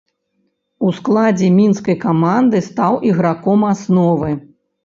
У складзе мінскай каманды стаў іграком асновы.